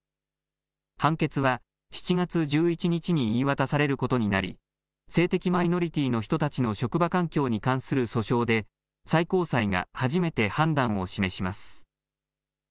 判決は７月１１日に言い渡されることになり、性的マイノリティーの人たちの職場環境に関する訴訟で最高裁が初めて判断を示します。